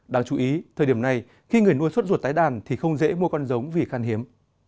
đáng chú ý thời điểm này khi người nuôi suốt ruột tái đàn thì không dễ mua con giống vì khan hiếm